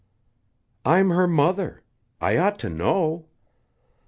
"I'm her mother. I ought to know!"